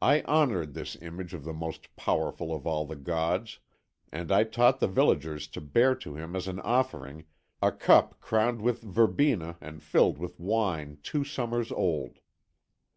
I honoured this image of the most powerful of all the gods, and I taught the villagers to bear to him as an offering a cup crowned with verbena and filled with wine two summers old.